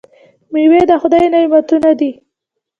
میوې د خدای نعمتونه دي.